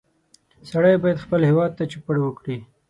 سړی باید خپل هېواد ته چوپړ وکړي